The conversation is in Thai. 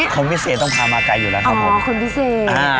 คนพิเศษต้องพามาไกลอยู่แล้วครับผมอ๋อคนพิเศษอ่า